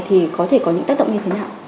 thì có thể có những tác động như thế nào